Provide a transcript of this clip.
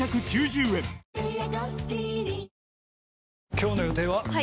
今日の予定は？